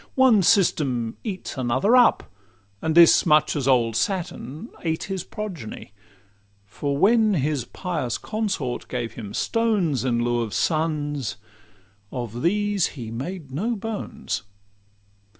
One system eats another up, and this Much as old Saturn ate his progeny; For when his pious consort gave him stones In lieu of sons, of these he made no bones.